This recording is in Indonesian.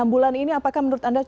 enam bulan ini apakah menurut anda